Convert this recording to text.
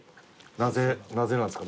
なぜなんですか？